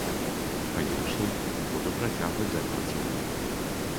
Канешне, буду працягваць займацца музыкай.